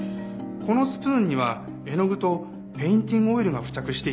このスプーンには絵の具とペインティングオイルが付着していたんですね。